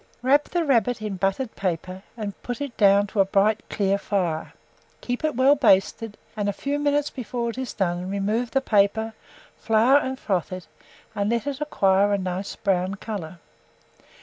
Wrap the rabbit in buttered paper, and put it down to a bright clear fire; keep it well basted, and a few minutes before it is done remove the paper, flour and froth it, and let it acquire a nice brown colour.